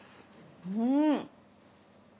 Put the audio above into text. うん。